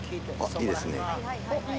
いいですね。